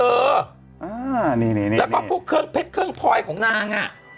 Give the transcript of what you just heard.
และพูดเครื่องเพ็ดเครื่องพลอยของนาง